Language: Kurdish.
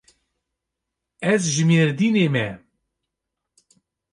Ez ji Mêrdînê me.